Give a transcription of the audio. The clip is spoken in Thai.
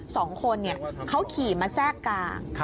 สองคนเขาขี่มาแทรกกลาง